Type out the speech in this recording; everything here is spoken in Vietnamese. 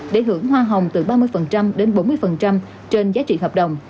để hưởng hoa hồng từ ba mươi đến bốn mươi trên giá trị hợp đồng